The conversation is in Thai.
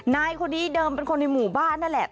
นายคนนี้เดิมเป็นคนในหมู่บ้านนั่นแหละ